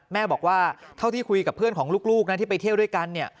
แม่บอกว่าเท่าที่คุยกับเพื่อนของลูกนะที่ไปเที่ยวด้วยกันเนี่ย